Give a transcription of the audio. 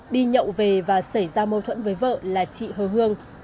đi nhậu về và xảy ra mâu thuẫn với vợ là chị hơ